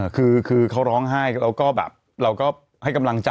คือเขาร้องไห้แล้วก็แบบเราก็ให้กำลังใจ